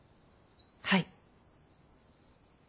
はい。